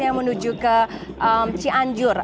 yang menuju ke cianjur